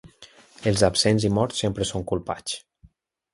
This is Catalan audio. Els absents i morts sempre són culpats.